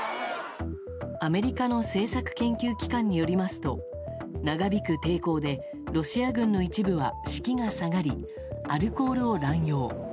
アメリカの政策研究機関によりますと長引く抵抗でロシア軍の一部は士気が下がりアルコールを乱用。